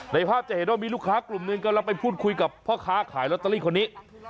ภาพจะเห็นว่ามีลูกค้ากลุ่มหนึ่งกำลังไปพูดคุยกับพ่อค้าขายลอตเตอรี่คนนี้